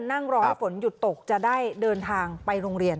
นั่งรอให้ฝนหยุดตกจะได้เดินทางไปโรงเรียน